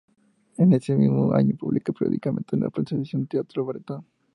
En ese mismo año publica periódicamente en prensa la sección “Teatro Bretón.